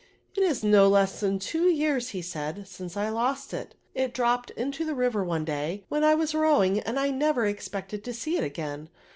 *^ It is no less than two years/' said he, *' since I lost it It dropped into the riyer one day, when I was rowing, and I never expected to see it again.